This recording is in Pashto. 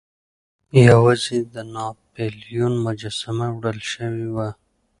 یوازې د ناپلیون مجسمه وړل شوې وه.